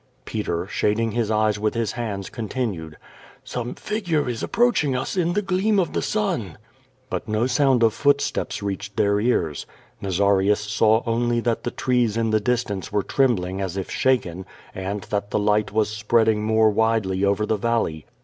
Peter, shading his eyes with his hands, continued: "Some figure is approaching us in the gleam of the sun." But no sound of footsteps reached their ears. Nazarius saw only that the trees in the distance were trembling as if shaken, and that the light was spreading more widely over the valley.